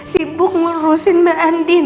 sibuk ngurusin mbak andin